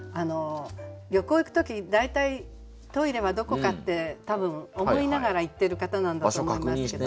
旅行行く時に大体トイレはどこかって多分思いながら行ってる方なんだと思いますけど。